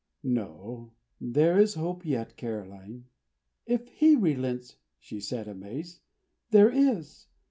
"No. There is hope yet, Caroline." "If he relents," she said, amazed, "there is!